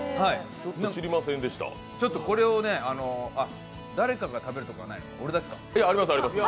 ちょっとこれを誰かが食べるとかないの、俺だけか？